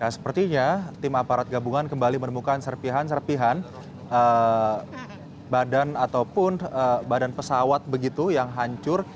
sepertinya tim aparat gabungan kembali menemukan serpihan serpihan badan ataupun badan pesawat begitu yang hancur